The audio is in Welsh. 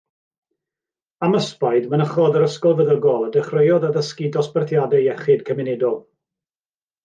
Am ysbaid, mynychodd yr ysgol feddygol a dechreuodd addysgu dosbarthiadau iechyd cymunedol.